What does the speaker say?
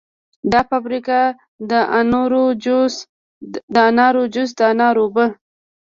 دا فابریکه د انارو جوس، د انارو اوبه